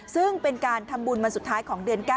ซึ่งเป็นการทำบุญวันสุดท้ายของเดือน๙